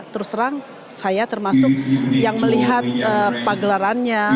terus terang saya termasuk yang melihat pagelarannya